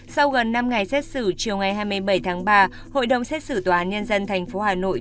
sau gần năm ngày xét xử chiều ngày hai mươi bảy tháng ba hội đồng xét xử tòa án nhân dân tp hà nội